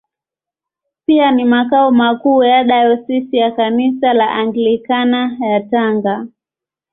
Pia ni makao makuu ya Dayosisi ya Kanisa la Anglikana ya Tanga.